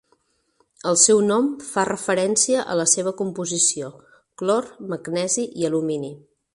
El seu nom fa referència a la seva composició: clor, magnesi i alumini.